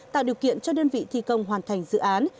tạo điều kiện cho đơn vị thi công hoàn thành dự án